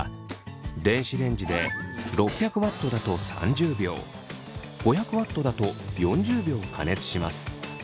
電子レンジで６００Ｗだと３０秒５００Ｗだと４０秒加熱します。